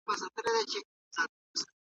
کمپيوټر د فايل نوم بدلوي.